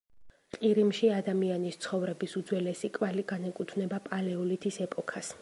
ყირიმში ადამიანის ცხოვრების უძველესი კვალი განეკუთვნება პალეოლითის ეპოქას.